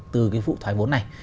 từ cái vụ thoái vốn này